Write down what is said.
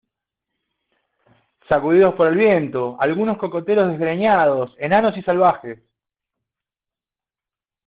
sacudidos por el viento, algunos cocoteros desgreñados , enanos y salvajes.